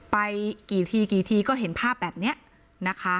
ไปกี่ทีกี่ทีก็เห็นภาพแบบนี้นะคะ